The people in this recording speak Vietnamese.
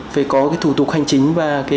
phải có thủ tục hành chính và